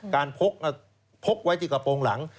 การพกไปที่กระพงหลัง